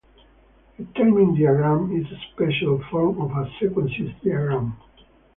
A timing diagram is a special form of a sequence diagram.